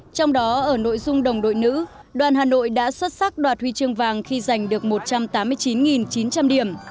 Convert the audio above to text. trong đó ở nội dung đồng đội nữ đoàn hà nội đã xuất sắc đoạt huy chương vàng khi giành được một trăm tám mươi chín chín trăm linh điểm